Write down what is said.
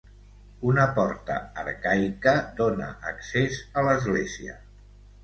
Una porta arcaica dóna accés a l'església.